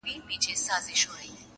ما و شیخ بېګا له یو خومه چيښله,